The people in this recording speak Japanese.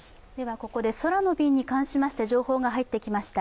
ここで空の便に関しまして情報が入ってきました。